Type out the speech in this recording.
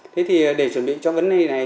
thế thì để chuẩn bị cho vấn đề này